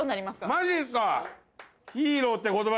マジっすか！